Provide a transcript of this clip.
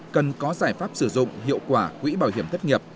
cần có giải pháp sử dụng hiệu quả quỹ bảo hiểm thất nghiệp